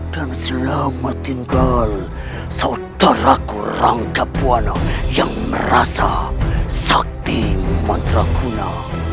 dan selamat tinggal saudaraku rangkapwana yang merasa sakti mantra guna